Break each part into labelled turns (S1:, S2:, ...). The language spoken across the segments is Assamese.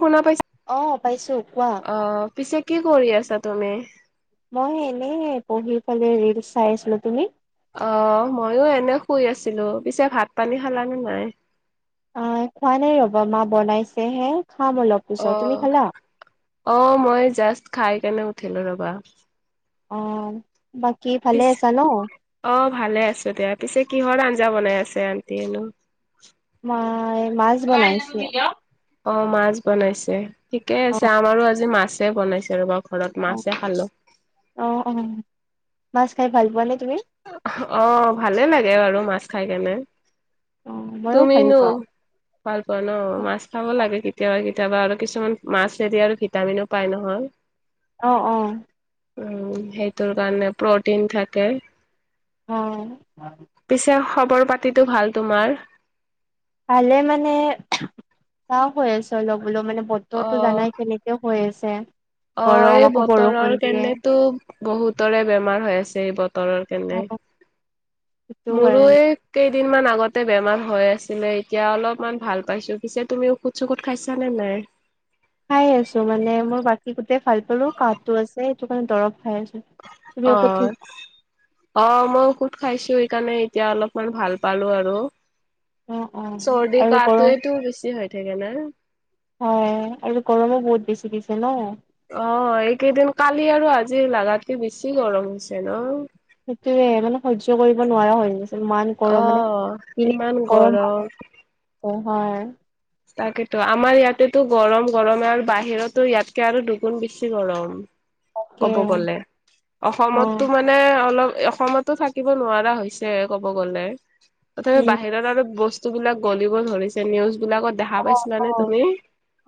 S1: শনা পইছ?
S2: অ, পাইছো কোৱা?
S1: অ' পিছে কি কৰি আছা তুমি?
S2: মই এনে পঢ়ি পেলে ৰিলচ চাই আছিলোঁ। তুমি?
S1: অ' ময়ো এনে শুই আছিলোঁ। পিছে ভাত পানী খালানে নাই?
S2: আ খোৱা নাই ৰ'বা, মা বনাইছেহে খাম অলপ পিছত তুমি
S1: অ'।
S2: খালা
S1: অ' মই জাষ্ট খাই কেনে উঠিলো ৰ'বা।
S2: অ' বাকী ভালে
S1: পিছে
S2: আছা ন।
S1: অ' ভালে আছোঁ দিয়া। পিছে কিহৰ আঞ্জা বনাই আছে আণ্টিয়েনো?
S2: মাই মাছ বনাইছে।
S1: অ' মাছ বনাইছে। ঠিকে
S2: অ
S1: আছে আমাৰো আজি মাছে বনাইছে ৰ'বা ঘৰত
S2: অ
S1: মাছে খালোঁ।
S2: অ' অ'। মাছ খাই ভাল পোৱা নে তুমি?
S1: অ' ভালেই লাগে বাৰু মাছ খাই কেনে।
S2: অ মইও ভাল
S1: তুমিনো
S2: পাওঁ
S1: ভাল পোৱা ন। মাছ খাব লাগে কেতিয়াবা কেতিয়াবা আৰু কিছুমান মাছেদি আৰু ভিটামিনো পায় নহয়। [inaudible]
S2: অ', অ'।
S1: উ হেইটোৰ কাৰণে প্ৰটিন থাকে।
S2: অ'।
S1: পিছে খবৰ পাতিতো ভাল তোমাৰ।
S2: ভালে মানে, কাহ হৈ আছে অলপ বোলো মানে বতৰটো
S1: অ',
S2: জানাই কেনে কিয় হৈ আছে।
S1: অ'
S2: গৰম
S1: এই
S2: আকৌ বৰষুণ
S1: বতৰৰ
S2: দিয়ে
S1: কেণেতো বহুতৰে বেমাৰ হৈ আছে, এই বতৰৰ
S2: অ
S1: কেনে।
S2: সেইটো
S1: মোৰো
S2: কাৰণে
S1: এই কেইদিনমান আগতে বেমাৰ হৈ আছিলে এতিয়া অলপমান ভাল পাইছোঁ। পিছে তুমি ঔষুধ চষুত খাইছানে নাই?
S2: খাই আছোঁ মানে মোৰ বাকী গোটেই ভাল পালোঁ কাহটো আছে হেটো কাৰণ দৰৱ খাই আছোঁ।
S1: অ'। অ' মই ওষুধ খাইছোঁ হেকাণে এতিয়া অলপমান ভাল পালোঁ আৰু।
S2: অ', অ',
S1: চৰ্দি
S2: আৰু গৰম
S1: কাহটোৱেটো বেছি হৈ থাকে না।
S2: অ' আৰু গৰমো বহুত বেছি দিছে ন।
S1: অ' এইকেইদিন, কালি আৰু আজি লাগাতকে বেছি গৰম হৈছে ন।
S2: সেটোৱে মানে সহ্য কৰিব নোৱাৰা হয় গৈছো মান
S1: অ' ইমান গৰম।
S2: অভাৰ।
S1: তাকেতো আমাৰ ইয়াতেতো গৰম গৰমে আৰু বাহিৰতো ইয়াতকে আৰু দুগুণ বেছি গৰম।
S2: তাকে
S1: ক'ব গ'লে,
S2: অ',
S1: অসমততো মান নে অলপ, অসমতো থাকিব নোৱাৰা হৈছে ক'ব গ'লে। তথাপি
S2: উম,
S1: বাহিৰত আৰু বস্তু বিলাক গলিব ধৰিছে। নিউজ বিলাকত দেখা
S2: অ',
S1: পাইছিলা
S2: অ',
S1: তুমি?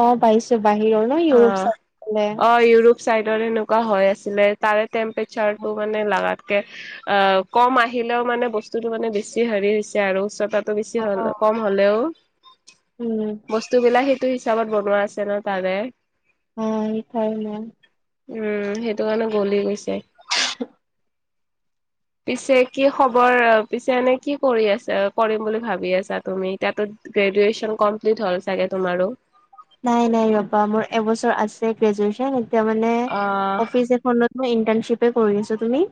S2: অ', পাইছো বাহিৰৰ ন
S1: অ'।
S2: ইউৰোপ চাই ফালে
S1: অ', ইউৰোপ চাইডৰ এনেকুৱা হৈ আছিলে, তাৰে টেম্পেচাৰটো মানে লাগাতকে আ কম আহিলেও মানে বস্তুটোতো মানে বেছি হেৰি হৈছে আৰু চতা টো বেছি হ'ল, কম হ'লেও।
S2: উ।
S1: বস্তুবিলাক হেটো হিচাপত বনোৱা আছে ন তাৰে।
S2: অ' ইঠাইনে।
S1: উ, হেটো কাৰণে গলি গৈছে।
S2: [inaudible]
S1: পিছে কি খবৰ, পিছে এনে কি কৰি আছা, কৰিম বুলি ভাবি আছা তুমি? ইতিয়াটো গ্ৰেদুৱেচন কমপ্লিট হ'ল চাগে তোমাৰো।
S2: নাই নাই ৰ'বা মোৰ এবছৰ আছে গ্ৰেজুৱেচন, এতিয়া মানে
S1: অ
S2: অফিচ এখনত মই ইণ্টানশ্বিপে কৰি আছোঁ। তুমি?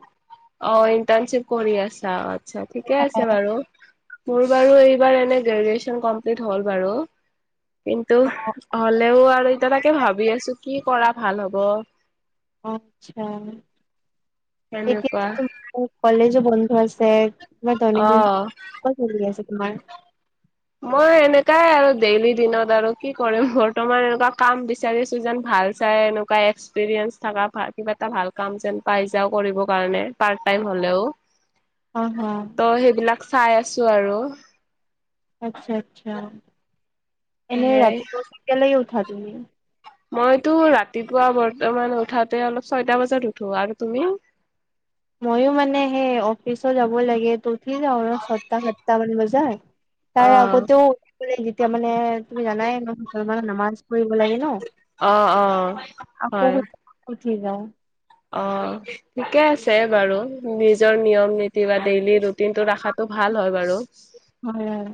S1: অ' ইণ্টানশ্বিপ কৰি আছা আতছা ঠিকে আছে বাৰু। মোৰ বাৰু এইবাৰ এনে গ্ৰেজুৱেচন কমপ্লিট হ'ল বাৰু, কিন্তু হ'লেও আৰু এতিয়া তাকে ভাবি আছোঁ কি কৰা ভাল হ'ব।
S2: আচ্ছা, এতিয়া
S1: সেনেকুৱা
S2: যে তোমাৰ কলেজো বন্ধ আছে তোমাৰ দৈনিক
S1: অ
S2: [unintelligible] চলি আছে তোমাৰ।
S1: মই এনেকাই আৰু ডেইলি দিনত আৰু কি কৰিম বৰ্তমান এনেকুৱা কাম বিচাৰি আছো যেন ভাল চাই এনেকুৱা এক্সপিৰিয়েঞ্চ থকা কিবা এটা ভাল কাম যেন পাই যাওঁ কৰিবৰ কাৰণে। পাৰ্ট টাইম হ'লেও,
S2: অ হা
S1: ত' সেইবিলাক চাই আছো আৰু।
S2: আচ্ছা আচ্ছা, এনে
S1: সেয়াই
S2: ৰাতিপুৱা কেতিয়ালৈকে উঠা তুমি?
S1: মইতো ৰাতিপুৱা বৰ্তমান উঠাতে অলপ ছয়টা বজাত উঠো আৰু তুমি?
S2: ময়ো মানে সেই অফিচো যাব লাগে উঠি যাওঁ আৰু ছয়টা সাতটা মান বজাত
S1: অ
S2: তাৰে আগতেও [unintelligible] যেতিয়া মানে তুমি জানাই ন [unintelligible] নামাজ বুলিব লাগে ন,
S1: অ অ
S2: আকৌ
S1: হয়
S2: [unintelligible] উঠি যাওঁ।
S1: অ', ঠিকে আছে বাৰু নিজৰ নিয়ম নীতি বা ডেইলি ৰুট [unintelligible] ৰাখাতটো ভাল হয় বাৰু,
S2: হয় হয়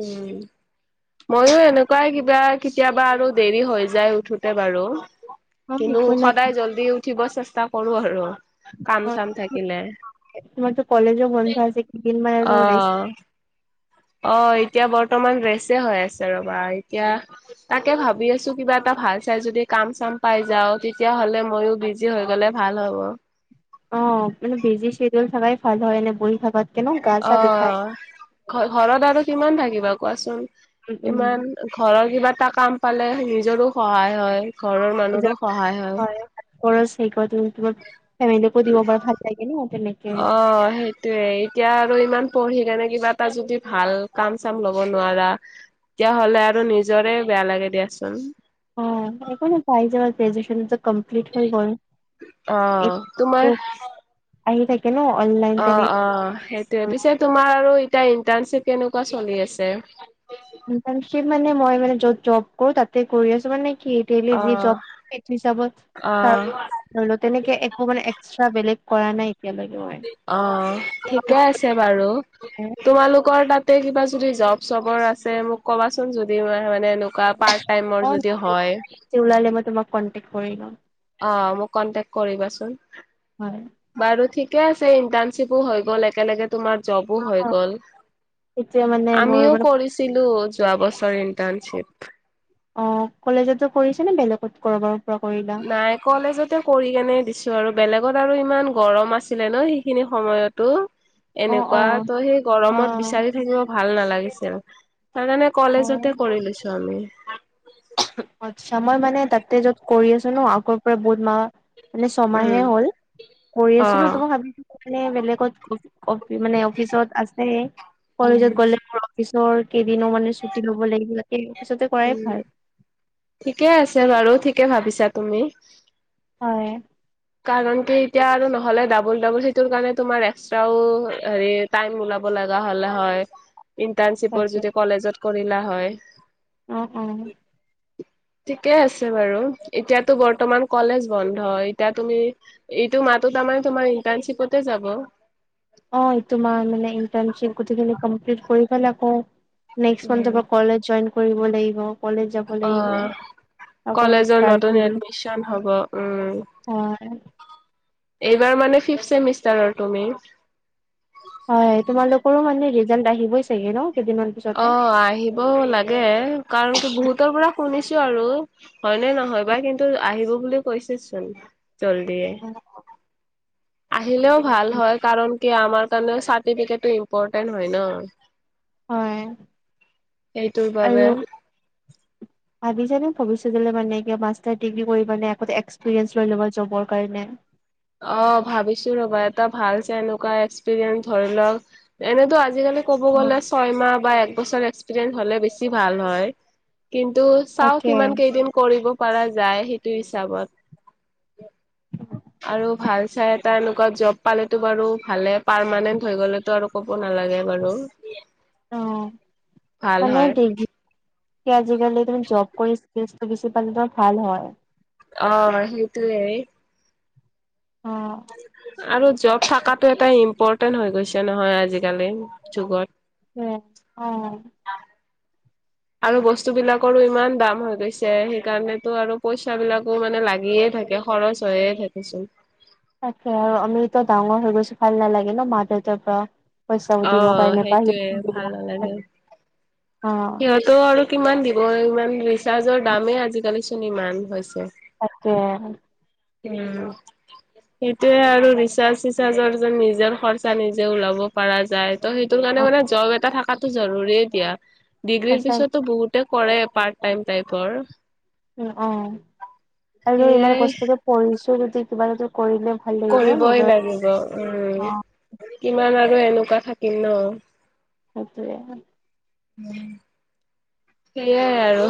S1: উম। ময়ো এনেকুৱাই কিবা কেতিয়াবা আৰু দেৰি হৈ যায় উঠোতে বাৰু।
S2: অ
S1: কিন্তু
S2: একো নাই
S1: সদায় জল্দি উঠিব চেষ্টা কৰো আৰু,
S2: অ,
S1: কাম চাম থাকিলে।
S2: তোমাৰতো কলেজো বন্ধ আছে কেইদিন [unintelligible] আৰু ৰেষ্ট
S1: অ', অ', এতিয়া বৰ্তমান ৰেছে হৈ আছে ৰ'বা এতিয়া তাকে ভাবি আছো কিবা এটা ভাল চাই যদি কাম চাম পাই যাওঁ তেতিয়া হ'লে ময়ো বি [unintelligible] হৈ গ'লে ভাল হ'ব।
S2: অ', মানে বিজি চেডিউল থাকাই ভাল হয় এনে বহি থাকাত
S1: অ', ঘ-ঘৰত আৰু কিমান থাকিবা কোৱাচোন
S2: উম উম
S1: ইমান ঘৰৰ কিবা এটা কাম পালে নিজৰো সহায় হয় ঘৰৰ মানুহৰো
S2: নিজৰ
S1: সহায় হয়।
S2: খৰচ সেই [unintelligible] ফেমিলিকো দিব পাৰা ভাল লাগে ন তেনেকে।
S1: অ', সেই [unintelligible] এতিয়া আৰু ইমান পঢ়ি কিনে কিবা এটা যদি ভাল কাম চাম ল'ব নোৱাৰা। তেতিয়াহ'লে আৰু নিজৰে বেয়া লাগে দিয়াচোন।
S2: অ', একো নাই পাই যাবা গ্ৰেজুৱেচন কমপ্লিট হৈ গ'ল
S1: অ', তোমাৰ
S2: [unintelligible] আহি থাকেনো অনলাইন তেনে
S1: অ', অ', সেই পিছে তোমাৰ আৰু এতিয়া ইন্টাৰ্নশ্বিপ কেনেকুৱা চলি আছে?
S2: ইণ্টাৰ্নচিপ মানে মই মানে যত জব কৰো তাতে কৰি আছোঁ মানে কি ডেইলী যি
S1: অ',
S2: জব এইটো হিচাবত তাৰ
S1: অ',
S2: ধলও তেনেকে একো মানে এক্সট্ৰা বেলেগ কৰা নাই। এতিয়ালৈকে হোৱাই
S1: অ, ঠিকে আছে বাৰু। তোমালোকৰ তাতে কিবা যদি জব চবৰ আছে মোক কবাচোন যদি ম মানে বা পাৰ্ট টাইমৰ যদি হয়।
S2: তে ওলালে মই তোমাক কন্টে্ক কৰি লম।
S1: অ, মোক কণ্টেক্ট কৰিবাচোন।
S2: হয়,
S1: বাৰু ঠিকে আছে ইণ্টাৰ্ণশ্বিপো হৈ গ'ল একেলগে তোমাৰ জবো
S2: অ
S1: হৈ গ'ল।
S2: এতিয়া মানে মোৰ
S1: আমিও
S2: মানে
S1: কৰিছিলো যোৱা বছৰ ইন্টাৰ্ণশ্বিপ।
S2: অ, কলেজতো কৰিছে নে বেলেগত কৰবাৰ পৰা কৰিলা?
S1: নাই কলেজতে কৰি কেনে দিছোঁ আৰু বেলেগত আৰু ইমান গৰম আছিলে ন সেইখিনি সময়ত। ত'
S2: অ অ
S1: এনেকুৱা ত সেই
S2: অ
S1: গৰমত বিচাৰি থাকিব ভাল নালাগিছিল। তাৰ কাৰণে
S2: অ
S1: কলেজতে কৰি লৈছোঁ আৰু।
S2: আচ্ছা মই মানে তাতে য'ত কৰি আছো ন আগৰ পৰা বহুত মাহ মানে
S1: উম।
S2: ছমাহে হ'ল। কৰি আছিলো ত
S1: অ'।
S2: ভাবিছো মানে বেলেগত মানে অফিচত আছে। কলেজত
S1: উম,
S2: গ'লে মোৰ অফিচৰ কেইদিনো মানে ছুটি লব লাগিব কেইদিনৰ পিচতে কৰাই
S1: উম,
S2: ভাল।
S1: ঠিকে আছে বাৰু ঠিকে ভাবিছা তুমি।
S2: হয়।
S1: কাৰণ কি এতিয়া আৰু নহলে ডাবুল ডাবুল সেইটোৰ কাৰণে তোমাৰ এক্সট্ৰাও হেৰি টাইম ওলাব লাগা হলে হয় ইণ্টাৰ্ণশ্চিপো
S2: তাকে
S1: যদি কলেজত কৰিলা হয়।
S2: অ', অ'।
S1: ঠিকে আছে বাৰু এতিয়াতো বৰ্তমান কলেজ বন্ধই। এতিয়া তুমি এইটো মাহতো তাৰমানে তোমাৰ ইণ্টাৰ্ণশ্বিপতে যাব।
S2: অ', তোমাৰ মানে ইণ্টাৰ্ণশ্বিপ গোটেইখিনি কম্পিলিট কৰিবল আকৌ নেক্স মান্থৰ
S1: উম,
S2: পৰা কলেজ জইন কৰিব লাগিব কলেজ যাব লাগিব।
S1: অ'
S2: আকৌ
S1: কলেজৰ
S2: ষ্টাৰ্ট হৈ
S1: নতুন
S2: যাব
S1: এডমিশ্চন হব উম।
S2: হয়
S1: এইবাৰ মানে ফিফ্থ চেমিষ্টাৰৰ তুমি?
S2: হয় তোমালোকৰো মানে ৰিজাল্ট আহিবই চাগে ন কেইদিনমান পিছতে
S1: অ', আহিব লাগে কাৰণ কি বহুতৰ পৰা শুনিছো আৰু হয়নে নহয় বা কিন্তু আহিব বুলি কৈছেচোন জলদিয়ে।
S2: অ'।
S1: আহিলেও ভাল হয় কাৰণ কি আমাৰ কাৰণে চাৰ্টিফিকেটো ইম্পৰতেণ্ট হয় ন।
S2: হয়
S1: সেইটোৰ বাবে
S2: আৰু
S1: [inaudible]
S2: ভাবিছানে ভৱিষ্যতলৈ মানে কি মাষ্টাৰ ডিগ্ৰী কৰিবানে এক্সপিৰিয়েঞ্চ লৈ ল'বা জবৰ কাৰণে?
S1: অ ভাবিছো ৰ'বা এটা ভাল চাই এনেকুৱা এক্সপিৰিয়েঞ্চ ধৰি লওক এনেতো আজিকালি ক'ব গ'লে ছয়মাহ বা এক বছৰ এক্সপিৰিয়েঞ্চ হ'লে বেছি ভাল হয় কিন্তু চাও
S2: তাকে
S1: কিমান কেইদিন কৰিব পৰা যায় সেইটো হিচাপত। আৰু ভাল চাই এটা এনেুকুৱা জব পালেতো বাৰু ভালে পাৰমানেণ্ট হৈ গ'লেতো আৰু ক'ব নালাগে বাৰু।
S2: অ',
S1: ভাল
S2: মানে
S1: হয়
S2: দি আজিকালি দেখোন জব কৰি ইচকিলছটো বেছি পালে ভাল হয়।
S1: অ', সেইটোৱে।
S2: অ'।
S1: আৰু জব থকাটো এটা ইম্পৰ্টেন্ট হৈ গৈছে নহয় আজিকালি যুগত।
S2: উম। অ'।
S1: আৰু বস্তু বিলাকৰো ইমান দাম হৈ গৈছে সেইকাৰণেতো আৰু পইচা বিলাকো মানে লাগিয়ে থাকে। খৰচ হৈয়ে থাকেচুন।
S2: তাকে আৰু আমিতো ডাঙৰ হৈ গৈছো ভাল নালাগে ন মা দেউতাৰ পৰা পইচা
S1: অ
S2: সুধিব কাৰণে
S1: সেইটোয়ে
S2: [unintelligible]
S1: সিহঁতো আৰু কিমান দিব ইমান ৰিচাৰ্জৰ দামেই আজিকালিচোন ইমান হৈছে।
S2: তাকে।
S1: উম। সেইটোয়ে আৰু ৰিচাৰ্জ চিচাৰ্জৰ যেন নিজৰ খৰচা নিজে ওলাব পৰা যায়। ত সেইটো
S2: অ
S1: কাৰণে মানে জব এটা থকাতটো জৰুৰে দিয়া ডিগ্ৰীৰ
S2: সঁচাই
S1: পিছতো বহুত কৰে পাৰ্ট টাইম টাইপৰ।
S2: উম, অ', আৰু ইমান
S1: সেয়াই
S2: কষ্টকে পঢ়িছো যদি কিবা এটা কৰিলে ভাল লাগিব
S1: কৰিবই
S2: নিজৰ
S1: লাগিব উম, কিমান আৰু এনেকুৱা থাকিম ন।
S2: সেইটোৱে।
S1: উম। সেইয়াই আৰু।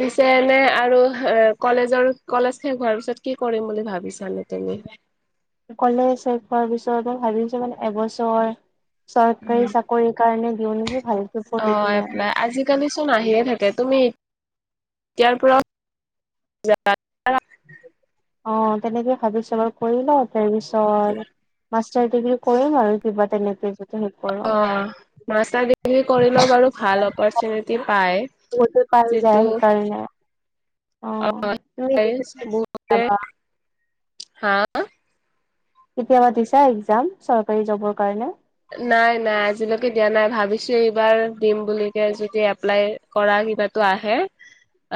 S1: পিছে এনে আৰু এ কলেজৰ কলেজ শেষ হোৱাৰ পিছত কি কৰিম বুলি ভাবিছা এনে। তুমি?
S2: কলেজ শেষ হোৱাৰ পিছত ভাবিছো মানে এবছৰ চৰকাৰী চাকৰি কাৰণে দিওঁ নেকি ভালকে পঢ়ি পিনে।
S1: আজি কালিচোন আহিয়ে থাকে তুমি [unintelligible]
S2: অ', তেনেকে ভাবিছো বাৰু কৰি লওঁ তাৰ পিছত মাষ্টাৰ ডিগ্ৰী কৰিম আৰু কিবা তেনেকে যদি সেই কৰো।
S1: অ'। মাষ্টাৰ ডিগ্ৰী কৰিলেও বাৰু ভাল অপৰচুনিটি পায়।
S2: বহুতে পাই
S1: যিটো
S2: যায় সেই কাৰণে। কেতিয়াবা
S1: [unintelligible] হা?
S2: কেতিয়াবা দিছা একজাম চৰকাৰী জবৰ কাৰণে?
S1: নাই নাই আজিলৈকে দিয়া নাই ভাবিছো এইবাৰ দিম বুলি যদি এপ্লাই কৰা কিবাতো আহে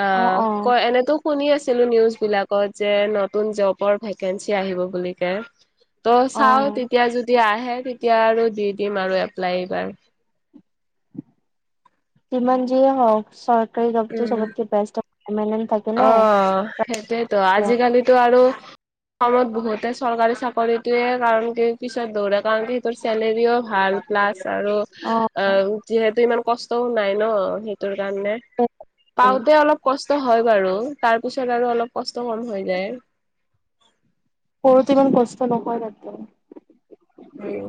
S1: অ' ক এনেতো শুনি আছিলো নিউজবিলাকত যে নতুন জবৰ ভেকেঞ্চি আহিব বুলিকে। ত' চাও
S2: অ'।
S1: তেতিয়া যদি আহে তেতিয়া আৰু দি দিম আৰু এপ্লাই এইবাৰ।
S2: যিমান যিয়ে হওঁক চৰকাৰী জবতো
S1: উম
S2: চবতকে বেষ্ট [unintelligible]
S1: অ', সেইটয়েতো আজিকালিতো আৰু অসমত বহুতে চৰকাৰী চাকৰিটোয়ে কাৰণ কে পিছত দৌৰা কাৰণতো তাৰ চেলাৰিও ভাল প্লাছ আৰু
S2: অ',
S1: আহ যিহেতু ইমান কষ্টও নাই ন সেইটোৰ কাৰণে। পাওঁতে অলপ কষ্ট হয় বাৰু তাৰ পিছত আৰু অলপ কষ্ট কম হৈ যায়।
S2: কৰোতে ইমান কষ্ট নহয় তাতে।
S1: উম,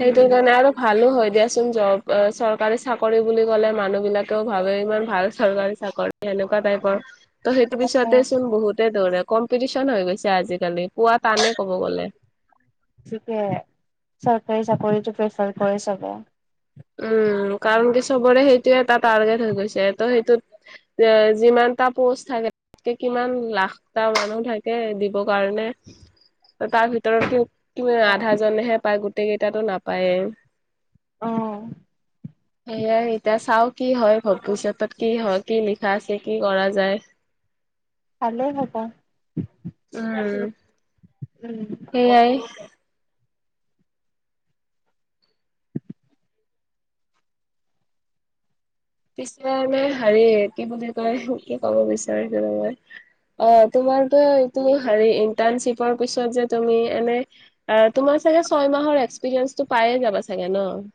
S1: সেইটোৱ কাৰণে আৰু ভালো হয় দিয়াচোন জব চৰকাৰী চাকৰি বুলি ক'লে মানুহবিলাকেও ভাবে ইমান ভাল চৰকাৰী চাকৰি সেনেকুৱা টাইপৰ ত সেইটো পিছতে চোন বহুত ধৰে কম্পিটিশন হৈ গৈছে আজিকালি পুৱা টানে ক'ব গ'লে।
S2: থিকে চৰকাৰী চাকৰিতটো প্ৰিফাৰ কৰে চবে।
S1: উম, কাৰণ কি চবৰে সেইটো এটা টাৰ্গেট হৈ গৈছে। ত' সেইটোত যিমানটা পোষ্ট থাকে। ত কিমান লাখটা মানুহ থাকে দিবৰ কাৰণে। তাৰ ভিতৰত কি আধা জনেহে পায় গোতেই কেইটাতো নাপায়েই।
S2: অ'।
S1: সেয়াই এতিয়া চাওঁ কি হয় ভৱিষ্যতে কি হয় কি লিখা আছে কি কৰা যায়। [inaudible]
S2: ভালে হ'ব উম।
S1: সেয়াই। পিছলৈ হেৰি কি বুলি কয় কি ক'ব বিচাৰিছিলো মই অ', তোমাৰতো এইটো হে ইন্টাৰণশিপৰ পিছত যে তুমি এনে অ', তোমাৰ চাগে ছয় মাহৰ এক্সপিৰিয়েঞ্চটো পায়ে যাবা চাগে ন।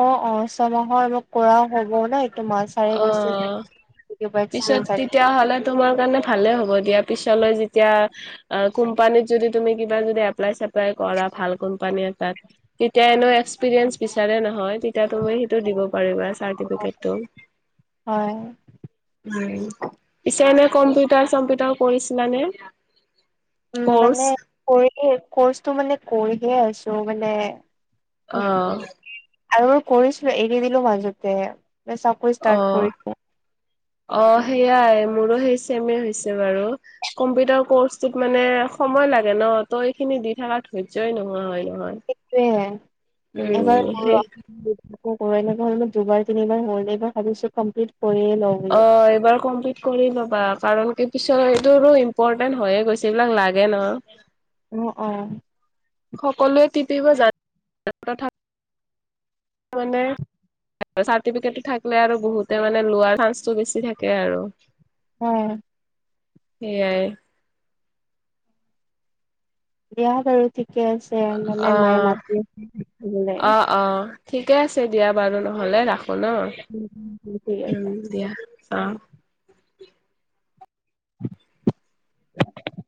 S2: অ', অ', ছমাহৰ মোক কৰাও হ'ব ন এইটো চাৰে
S1: অ
S2: কৈছে [unintelligible]
S1: তেতিয়া হ'লে তোমাৰ কাৰণে ভালে হ'ব দিয়া পিছলৈ যেতিয়া কোম্পানীত যদি তুমি কিবা যদি এপ্লাই চেপ্লাই কৰা ভাল কোম্পানী এটাত। তেতিয়া এনেও এস্কপ্ৰিয়েন্স বিচাৰে নহয় তেতিয়া তুমি সেইটো দিব পাৰিবা চাৰ্টিফিকেটতো।
S2: হয়।
S1: পিছে এনে কম্পিউটাৰ চম্পিউটাৰ কৰিছিলানে?
S2: উম,
S1: কৰ্চ
S2: মানে কৰি কৰ্চটো মানে কৰিহে আছো মানে
S1: অ'।
S2: আৰু কৰিছিলো এৰি দিলো মাজতে ষ্টাৰ্ট কৰি
S1: অ', অ' সেইয়াই মোৰো সেই চে'ম হৈছে বাৰু। কম্পিউটাৰ কৰ্চত মানে সময় লাগে ন, ত' এইখিনি দি থকা ৰ্ধয্যই নহোৱা হয় নহয়।
S2: সেইটয়ে এবাৰ
S1: উম,
S2: কৰি
S1: সেই
S2: লওঁক। ো না হল ম [unintelligible] দুবাৰ তিনিবাৰ হ'ল এইবাৰ ভাবিছো কমপ্লিট কৰিয়ে লম
S1: অ' এইবাৰ কমপ্লিট কৰি ল'বা, কাৰণ কি পিছত এইটোটো ইম্পৰ্টেন্ট হৈয়ে গৈছে, এইবিলাক লাগে নহয়।
S2: অ', অ'।
S1: সকলোৱে টিপিব জান মানে চাৰ্টিফিকেটো থাকিলে আৰু বহুতে মানে লোৱাৰ চান্সটো বেছি থাকে আৰু।
S2: অ'।
S1: সেয়াই।
S2: বিয়া বাৰু ঠিকে আছে মানে মায়ে মাতিলৈ
S1: অঁ ঠিকে আছে দিয়া বাৰু নহ'লে ৰাখোঁ ন।
S2: উম, হুম, হুম ঠিক আছে।
S1: উম, দিয়া অ'।
S2: [unintelligible]